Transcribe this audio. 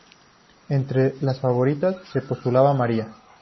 Entre las Favoritas, se postulaba María.